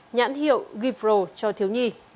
nhãn hiệu gipro cho thiếu nhi